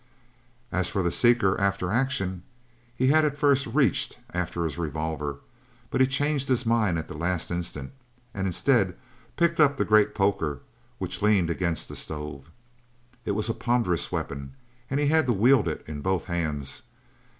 As for the seeker after action, he had at first reached after his revolver, but he changed his mind at the last instant and instead picked up the great poker which leaned against the stove. It was a ponderous weapon and he had to wield it in both hands.